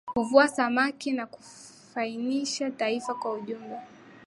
Huvua samaki na kunufaisha taifa kwa ujumla